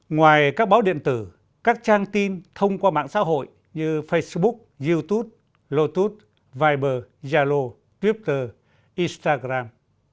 ngoài các báo điện tử các trang tin thông qua mạng xã hội như facebook youtube lotus viber yalo twitter instagram